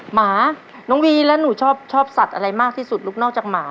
หมาน้องวีแล้วหนูชอบสัตว์อะไรมากที่สุดลูกนอกจากหมา